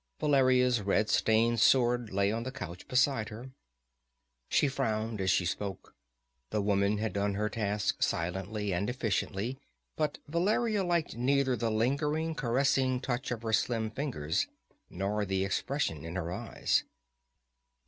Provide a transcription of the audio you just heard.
Valeria's red stained sword lay on the couch beside her. She frowned as she spoke. The woman had done her task silently and efficiently, but Valeria liked neither the lingering, caressing touch of her slim fingers nor the expression in her eyes.